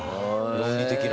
論理的な。